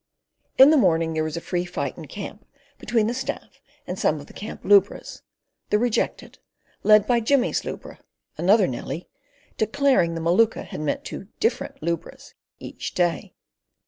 In the morning there was a free fight in camp between the staff and some of the camp lubras, the rejected, led by Jimmy's lubra—another Nellie—declaring the Maluka had meant two different lubras each day.